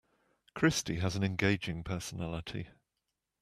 Christy has an engaging personality.